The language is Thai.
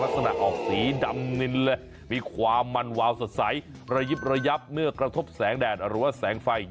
ลักษณะออกสีดำนินเลยมีความมันวาวสดใสระยิบระยับเมื่อกระทบแสงแดดหรือว่าแสงไฟ